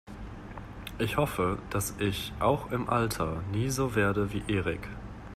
Ich hoffe, dass ich auch im Alter nie so werde wie Erik.